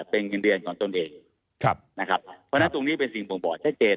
เป็นเงินเดือนของตนเองครับนะครับเพราะฉะนั้นตรงนี้เป็นสิ่งบ่งบอกชัดเจน